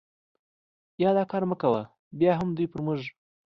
یا دا کار مه کوه، بیا هم دوی پر موږ.